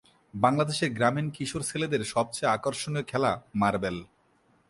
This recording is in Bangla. বাংলাদেশের গ্রামীণ কিশোর ছেলেদের সবচেয়ে আকর্ষণীয় খেলা মার্বেল।